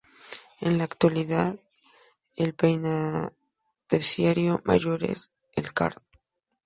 En la actualidad, el penitenciario mayor es el Card.